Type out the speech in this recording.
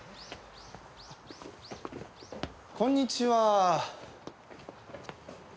こんにちは。